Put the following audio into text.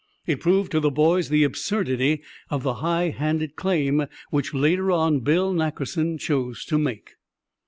It proved to the boys the absurdity of the high handed claim which later on Bill Nackerson chose to make.